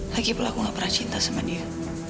lagipula aku gak pernah cinta sama dia